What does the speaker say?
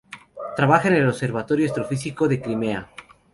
Trabaja en el Observatorio Astrofísico de Crimea.